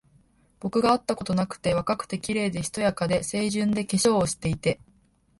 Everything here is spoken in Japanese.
僕があったことがなくて、若くて、綺麗で、しとやかで、清純で、化粧を知っていて、